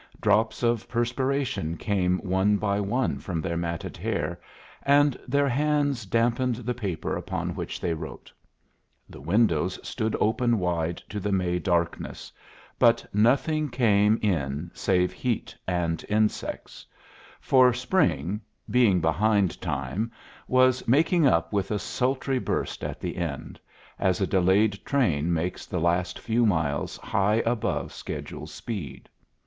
Drops of perspiration came one by one from their matted hair, and their hands dampened the paper upon which they wrote. The windows stood open wide to the May darkness, but nothing came in save heat and insects; for spring, being behind time, was making up with a sultry burst at the end, as a delayed train makes the last few miles high above schedule speed.